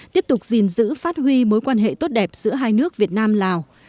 tiếp tục gìn giữ phát huy mối quan hệ tốt đẹp giữa hai nước việt nam lào